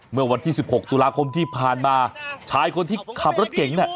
เมื่อวันที่๑๖ตุลาคมที่ผ่านมาชายคนที่ขับรถเก่งเนี่ย